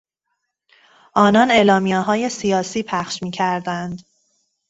آنان اعلامیههای سیاسی پخش میکردند.